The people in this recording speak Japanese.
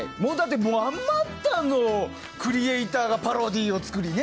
あまたのクリエーターがパロディーを作りね。